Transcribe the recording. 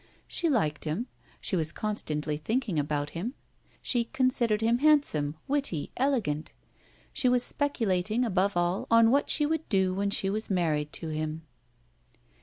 She liked him, she was constantly thinking about him; she considered him handsome, witty, elegant she was speculating, above all, on what she would do when she was married to him.